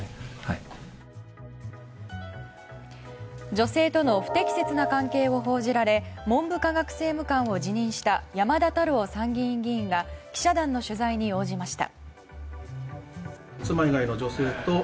女性との不適切な関係を報じられ文部科学政務官を辞任した山田太郎参議院議員が記者団の取材に応じました。